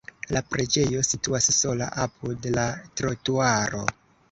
La preĝejo situas sola apud la trotuaro.